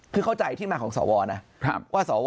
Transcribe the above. คือเข้าใจที่มาของสอวนะ